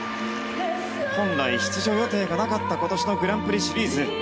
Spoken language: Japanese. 本来出場予定がなかった今年のグランプリシリーズ。